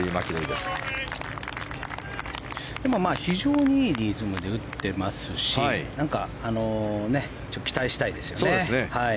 でも、非常にいいリズムで打っていますし期待したいですね。